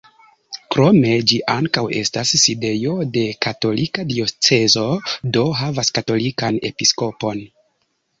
Krome ĝi ankaŭ estas sidejo de katolika diocezo, do havas katolikan episkopon.